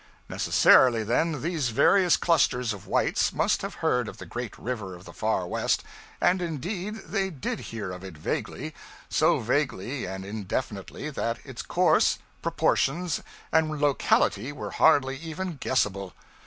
Necessarily, then, these various clusters of whites must have heard of the great river of the far west; and indeed, they did hear of it vaguely, so vaguely and indefinitely, that its course, proportions, and locality were hardly even guessable.